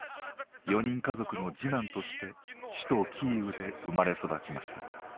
４人家族の次男として首都キーウで生まれ育ちました。